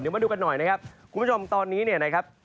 เดี๋ยวมาดูกันหน่อยนะครับคุณผู้ชมตอนนี้นะครับ